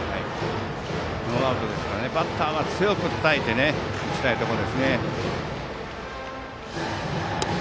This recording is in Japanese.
ノーアウトですからバッターは強くたたいて打ちたいところです。